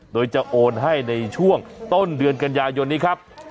โดยจะโอนให้ในช่วงต้นเดือนกันยายนนี้ครับ